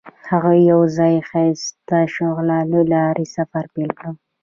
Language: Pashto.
هغوی یوځای د ښایسته شعله له لارې سفر پیل کړ.